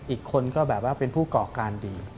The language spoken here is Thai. อีกคนก็แบบว่าเป็นผู้ก่อการดี